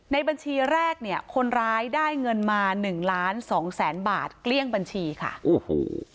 ในบัญชีแรกเนี่ยคนร้ายได้เงินมาหนึ่งล้านสองแสนบาทเกลี้ยงบัญชีค่ะโอ้โห